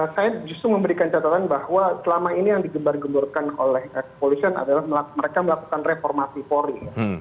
saya justru memberikan catatan bahwa selama ini yang digembar gemburkan oleh kepolisian adalah mereka melakukan reformasi polri